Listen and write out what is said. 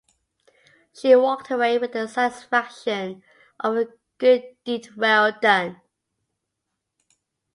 She walked away with the satisfaction of a good deed well done.